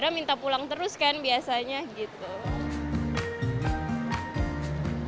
saya minta pulang terus kan biasanya gitu